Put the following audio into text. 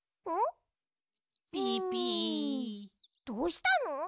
どうしたの？